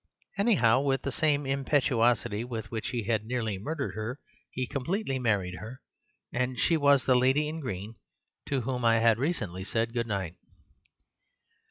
Anyhow, with the same impetuosity with which he had nearly murdered her, he completely married her; and she was the lady in green to whom I had recently said 'good night.